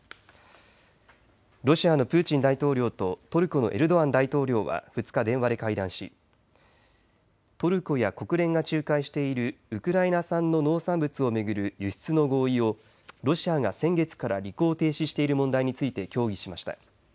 ロシアのプーチン大統領とトルコのエルドアン大統領は２日電話で会談しトルコや国連が仲介しているウクライナ産の農産物を巡る輸出の合意をロシアが先月から履行を停止している問題について協議しました。